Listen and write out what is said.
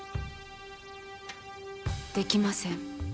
できません。